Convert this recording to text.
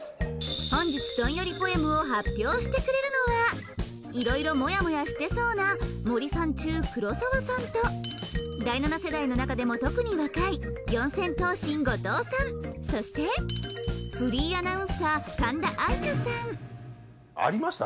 本日どんよりポエムを発表してくれるのはいろいろモヤモヤしてそうな森三中黒沢さんと第７世代の中でも特に若い四千頭身後藤さんそしてフリーアナウンサー神田愛花さんありました？